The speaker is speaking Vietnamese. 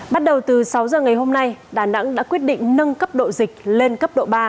bắt đầu từ sáu giờ ngày hôm nay đà nẵng đã quyết định nâng cấp độ dịch lên cấp độ ba